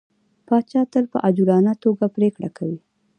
پاچا تل په عجولانه ټوګه پرېکړه کوي.